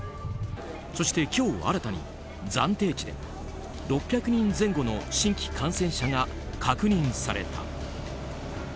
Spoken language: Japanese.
そして今日新たに、暫定値で６００人前後の新規感染者が確認された。